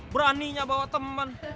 beraninya bawa temen